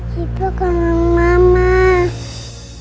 siva kangen sama mama